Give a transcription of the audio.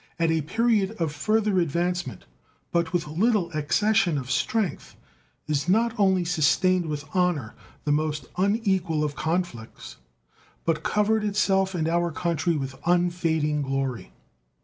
At a period of further advancement, but with little accession of strength, it not only sustained with honor the most unequal of conflicts, but covered itself and our country with unfading glory.